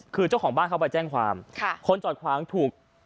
คือเจ้าของบ้านเขาไปแจ้งความคนจอดขวางถูก